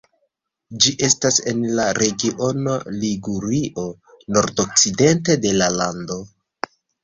Ĝi estas en la regiono Ligurio nordokcidente de la lando.